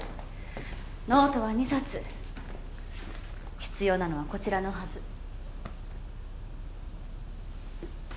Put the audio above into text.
ノートは２冊必要なのはこちらのはず。